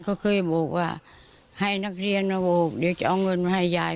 เขาเคยบอกว่าให้นักเรียนมาโบกเดี๋ยวจะเอาเงินมาให้ยาย